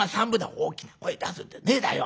「大きな声出すんじゃねえだよ。